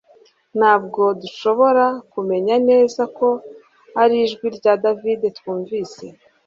ntabwo dushobora kumenya neza ko ari ijwi rya davide twumvise